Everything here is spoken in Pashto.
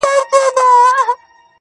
o چي خپلي سپيني او رڼې اوښـكي يې.